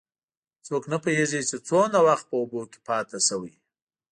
څوک نه پوهېږي، چې څومره وخت په اوبو کې پاتې شوی.